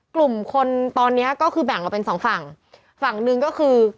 กลุ่มคนตอนเนี้ยก็คือแบ่งออกเป็นสองฝั่งฝั่งหนึ่งก็คือ